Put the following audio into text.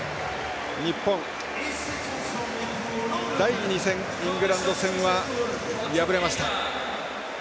日本、第２戦イングランド戦は敗れました。